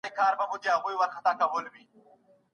ږیره لرونکي سړي ډوډۍ او مڼه راوړي ده.